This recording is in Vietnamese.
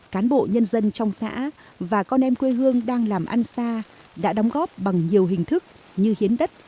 cán bộ nhân dân trong xã và con em quê hương đang làm ăn xa đã đóng góp bằng nhiều hình thức như hiến đất